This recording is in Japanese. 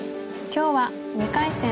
今日は２回戦